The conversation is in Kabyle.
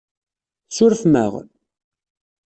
Tsurfem-aɣ?